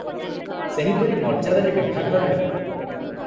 ସେହିପରି ମର୍ଯ୍ୟାଦାରେ ବିଭାଘର ହେବ ।